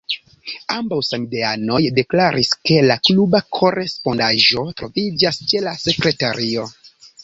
Ambaŭ samideanoj deklaris, ke la kluba kore-spondaĵo troviĝas ĉe la sekretario.